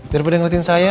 daripada ngeliatin saya